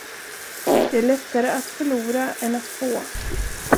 Det är lättare att förlora än att få.